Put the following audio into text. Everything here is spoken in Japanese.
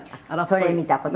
「それ見た事」